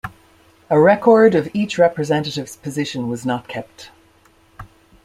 A record of each representative's position was not kept.